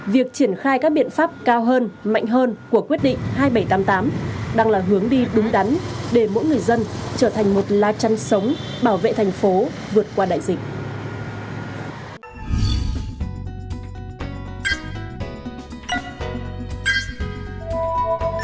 việc triển khai các biện pháp cao hơn mạnh hơn của quyết định hai nghìn bảy trăm tám mươi tám đang là hướng đi đúng đắn để mỗi người dân trở thành một lá chăn sống bảo vệ thành phố vượt qua đại dịch